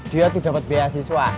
dia tuh dapet beasiswa